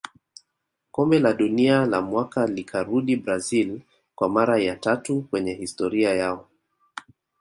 Kombe la dunia la mwaka likarudi brazil kwa mara ya tatu kwenye historia yao